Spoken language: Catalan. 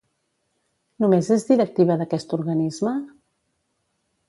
Només és directiva d'aquest organisme?